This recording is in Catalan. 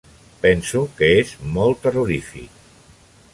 Penso que és molt terrorífic.